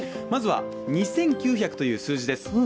まずは２９００という数字です。